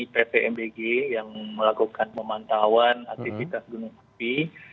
pt mbg yang melakukan pemantauan aktivitas gunung api